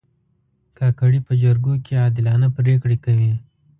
کاکړي په جرګو کې عادلانه پرېکړې کوي.